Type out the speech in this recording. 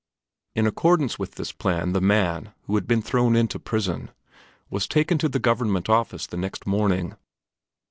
In accordance with this plan the man, who had been thrown into prison, was taken to the Government Office the next morning.